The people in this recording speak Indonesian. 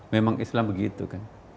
memang islam begitu kan